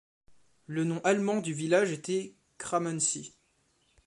Le nom allemand du village était Krammensee.